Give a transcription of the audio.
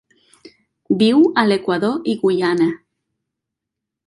Viu a l'Equador i Guyana.